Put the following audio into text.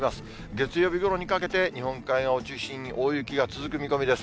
月曜日ごろにかけて、日本海側を中心に大雪が続く見込みです。